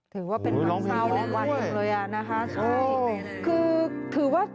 ถือว่าเป็นวันเวลาวันหนึ่งเลยนะครับใช่คือถือว่า